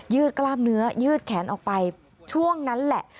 กล้ามเนื้อยืดแขนออกไปช่วงนั้นแหละ